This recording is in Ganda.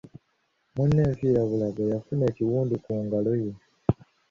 Munne enfiirabulago, yafuna ekiwundu ku ngalo ye.